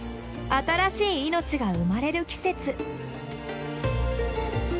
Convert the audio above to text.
新しい命が生まれる季節。